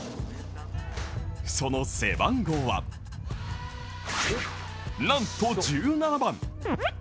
その背番号は、なんと１７番。